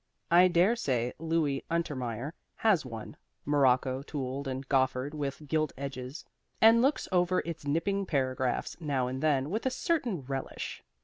I dare say Louis Untermeyer has one (morocco, tooled and goffered, with gilt edges), and looks over its nipping paragraphs now and then with a certain relish.